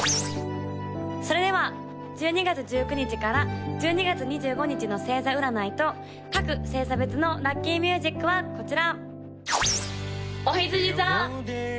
それでは１２月１９日から１２月２５日の星座占いと各星座別のラッキーミュージックはこちら！